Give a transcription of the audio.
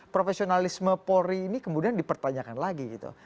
profesionalisme polri ini kemudian dipertanyakan lagi gitu